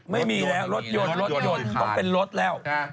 ไม่มีแล้วรถยนต์ต้องเป็นรถแล้ว